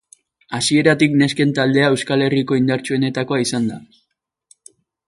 Hasieratik nesken taldea Euskal Herriko indartsuenetakoa izan da.